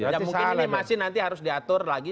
ya mungkin ini masih nanti harus diatur lagi